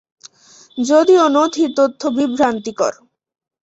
যদিও নথির তথ্য বিভ্রান্তিকর।